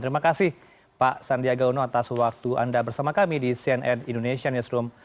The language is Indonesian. terima kasih pak sandiaga uno atas waktu anda bersama kami di cnn indonesia newsroom